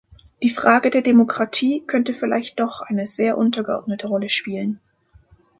Die Frage der Demokratie könnte vielleicht doch eine sehr untergeordnete Rolle spielen.